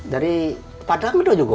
dari padang itu juga